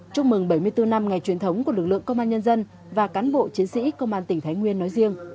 chúc mừng bảy mươi bốn năm ngày truyền thống của lực lượng công an nhân dân và cán bộ chiến sĩ công an tỉnh thái nguyên nói riêng